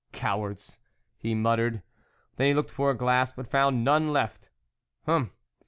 44 Cowards !" he muttered. Then he looked for a glass, but found none left. 44 Hum